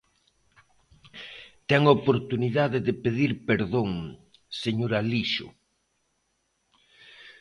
Ten oportunidade de pedir perdón, señor Alixo.